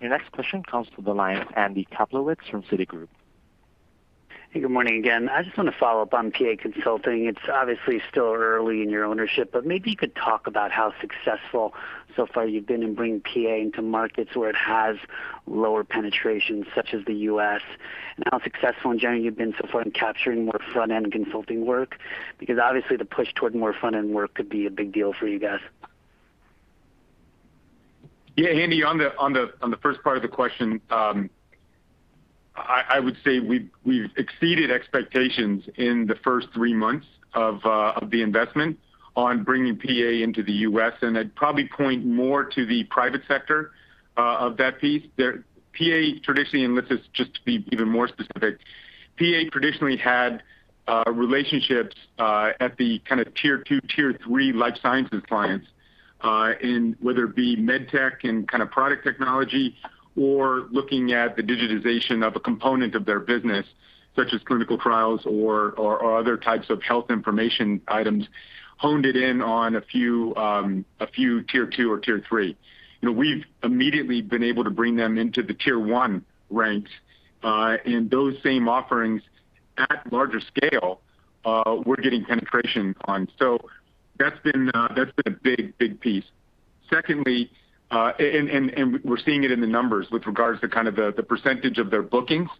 Your next question comes to the line of Andy Kaplowitz from Citigroup. Hey, good morning again. I just want to follow up on PA Consulting. It's obviously still early in your ownership, but maybe you could talk about how successful so far you've been in bringing PA into markets where it has lower penetration, such as the U.S., and how successful in general you've been so far in capturing more front-end consulting work, because obviously the push toward more front-end work could be a big deal for you guys. Andy, on the first part of the question, I would say we've exceeded expectations in the first three months of the investment on bringing PA into the U.S., and I'd probably point more to the private sector of that piece. PA traditionally, and this is just to be even more specific, PA traditionally had relationships at the kind of Tier 2, Tier 3 life sciences clients, in whether it be med tech and kind of product technology or looking at the digitization of a component of their business, such as clinical trials or other types of health information items honed in on a few Tier 2 or Tier 3. We've immediately been able to bring them into the tier 1 ranks, and those same offerings at larger scale, we're getting penetration on. That's been a big piece. Secondly, we're seeing it in the numbers with regards to kind of the percentage of their bookings,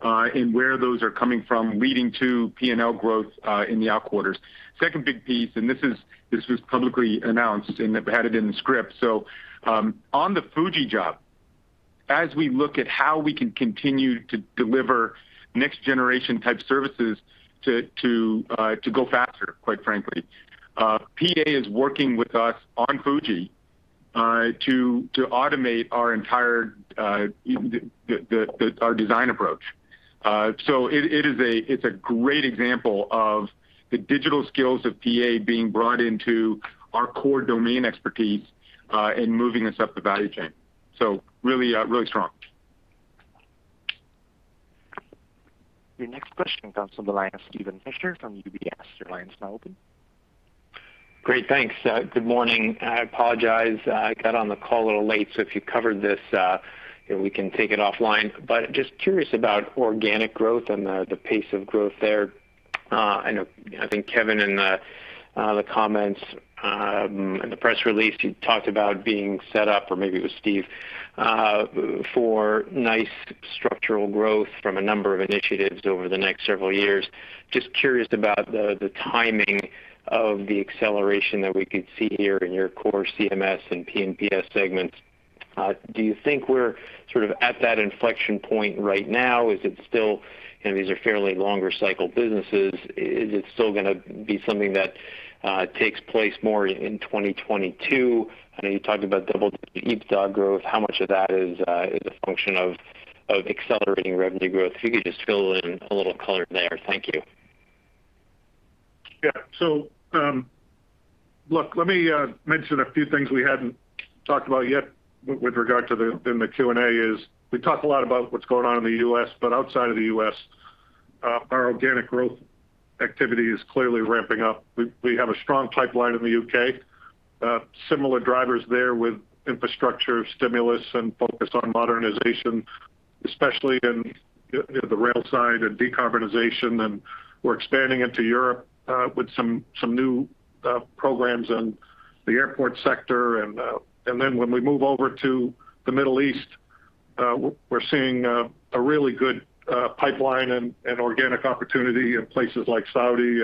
and where those are coming from, leading to P&L growth in the out quarters. Second big piece, this was publicly announced, and I've had it in the script. On the FUJIFILM job, as we look at how we can continue to deliver next generation type services to go faster, quite frankly. PA is working with us on FUJIFILM to automate our entire design approach. It's a great example of the digital skills of PA being brought into our core domain expertise, and moving us up the value chain. Really strong. Your next question comes from the line of Steven Fisher from UBS. Your line is now open. Great. Thanks. Good morning. I apologize. I got on the call a little late. If you covered this, we can take it offline. Just curious about organic growth and the pace of growth there. I think Kevin in the comments, in the press release, you talked about being set up, or maybe it was Steve, for nice structural growth from a number of initiatives over the next several years. Just curious about the timing of the acceleration that we could see here in your core CMS and P&PS segments. Do you think we're sort of at that inflection point right now? These are fairly longer cycle businesses. Is it still going to be something that takes place more in 2022? I know you talked about double EBITDA growth. How much of that is a function of accelerating revenue growth? If you could just fill in a little color there. Thank you. Look, let me mention a few things we hadn't talked about yet with regard to the Q&A is we talk a lot about what's going on in the U.S., but outside of the U.S., our organic growth activity is clearly ramping up. We have a strong pipeline in the U.K. Similar drivers there with infrastructure stimulus and focus on modernization, especially in the rail side and decarbonization, and we're expanding into Europe with some new programs in the airport sector. When we move over to the Middle East, we're seeing a really good pipeline and organic opportunity in places like Saudi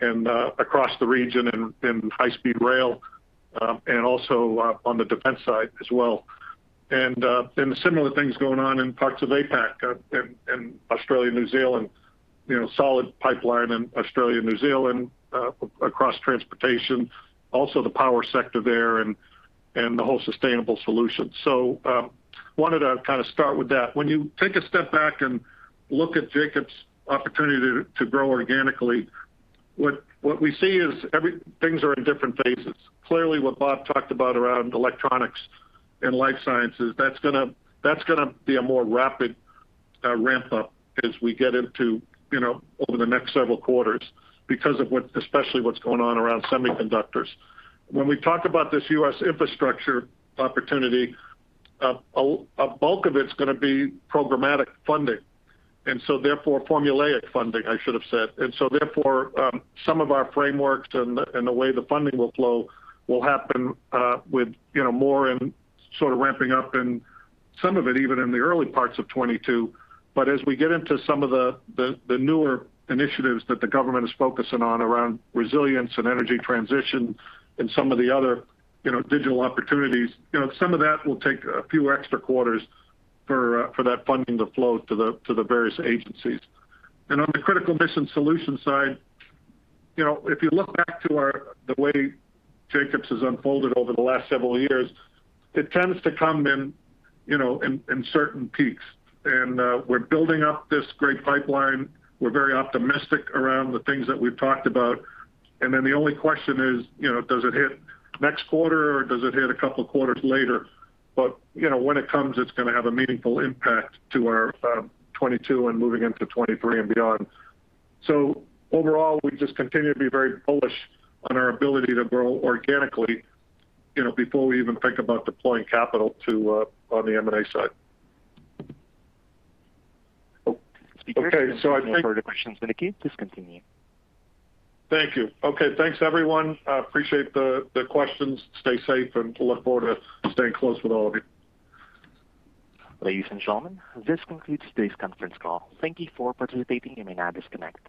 and across the region and high speed rail, and also on the defense side as well. Similar things going on in parts of APAC and Australia, New Zealand. Solid pipeline in Australia, New Zealand, across transportation, also the power sector there and the whole sustainable solution. Wanted to start with that. When you take a step back and look at Jacobs' opportunity to grow organically, what we see is things are in different phases. Clearly, what Bob talked about around electronics and life sciences, that's going to be a more rapid ramp-up as we get into over the next several quarters because of especially what's going on around semiconductors. When we talk about this U.S. infrastructure opportunity, a bulk of it's going to be programmatic funding, therefore formulaic funding, I should have said. Therefore, some of our frameworks and the way the funding will flow will happen with more and sort of ramping up and some of it even in the early parts of 2022. As we get into some of the newer initiatives that the government is focusing on around resilience and energy transition and some of the other digital opportunities, some of that will take a few extra quarters for that funding to flow to the various agencies. On the Critical Mission Solutions side, if you look back to the way Jacobs has unfolded over the last several years, it tends to come in certain peaks. We're building up this great pipeline. We're very optimistic around the things that we've talked about. The only question is, does it hit next quarter, or does it hit a couple of quarters later? When it comes, it's going to have a meaningful impact to our 2022 and moving into 2023 and beyond. Overall, we just continue to be very bullish on our ability to grow organically, before we even think about deploying capital on the M&A side. Okay. No further questions in the queue. Please continue. Thank you. Okay, thanks everyone. Appreciate the questions. Stay safe, and look forward to staying close with all of you. Ladies and gentlemen, this concludes today's conference call. Thank you for participating. You may now disconnect.